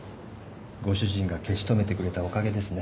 ご主人が消し止めてくれたおかげですね。